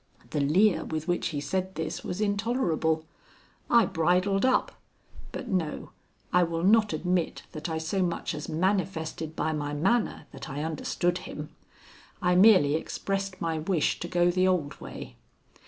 The leer with which he said this was intolerable. I bridled up but no, I will not admit that I so much as manifested by my manner that I understood him. I merely expressed my wish to go the old way.